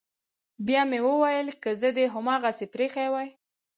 بيا مې وويل که زه دې هماغسې پريښى واى.